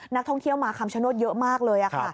นักท่องเที่ยวมาคำชโนธเยอะมากเลย